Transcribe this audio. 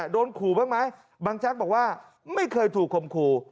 โดนขู่บ้างไหมบางแจ๊กบอกว่าไม่เคยถูกคมขู่